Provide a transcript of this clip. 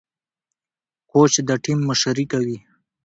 کوچ د ټيم مشري کوي.